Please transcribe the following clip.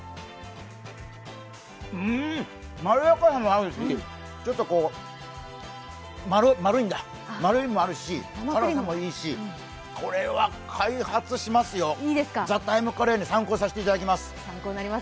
うーん、まろやかさもあるし、丸みもあるし辛さもいいし、これは開発しますよ「ＴＨＥＴＩＭＥ，」カレー、参考にさせていただきます。